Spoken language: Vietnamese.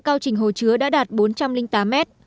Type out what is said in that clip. cao trình hồ chứa đã đạt bốn trăm linh tám mét